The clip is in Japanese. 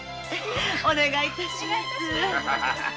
お願いいたします。